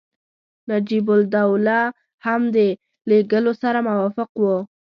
نجیب الدوله هم د لېږلو سره موافق وو.